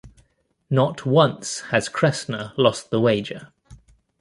Not once has Cressner lost the wager.